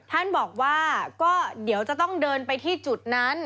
ท่านบอกว่าก็เดี๋ยวจะต้องเดินไปที่จุดนั้น